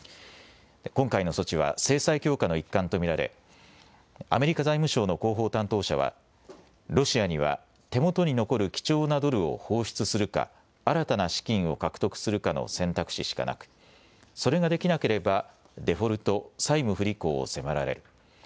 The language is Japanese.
今回の措置は制裁強化の一環と見られ、アメリカ財務省の広報担当者はロシアには手元に残る貴重なドルを放出するか新たな資金を獲得するかの選択肢しかなくそれができなければデフォルト・債務不履行を迫られる。